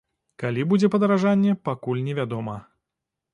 Калі будзе падаражанне, пакуль невядома.